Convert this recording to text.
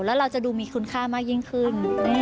แล้วเราจะดูมีคุณค่ามากยิ่งขึ้น